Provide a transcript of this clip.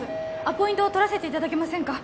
アポイントを取らせていただけませんか？